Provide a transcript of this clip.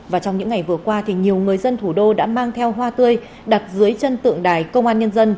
và trong những ngày vừa qua thì nhiều người dân thủ đô đã mang theo hoa tươi đặt dưới chân tượng đài công an nhân dân